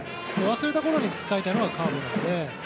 忘れたころに使いたいのがカーブなので。